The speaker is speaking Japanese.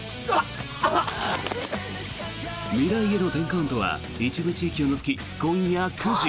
「未来への１０カウント」は一部地域を除き、今夜９時。